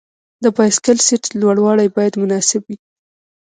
د بایسکل سیټ لوړوالی باید مناسب وي.